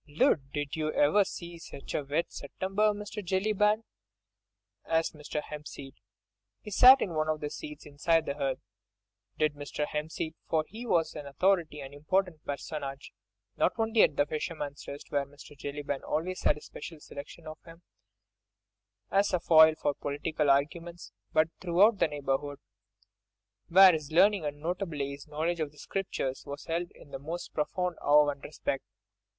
"Lud! did you ever see such a wet September, Mr. Jellyband?" asked Mr. Hempseed. He sat in one of the seats inside the hearth, did Mr. Hempseed, for he was an authority and an important personage not only at "The Fisherman's Rest," where Mr. Jellyband always made a special selection of him as a foil for political arguments, but throughout the neighbourhood, where his learning and notably his knowledge of the Scriptures was held in the most profound awe and respect.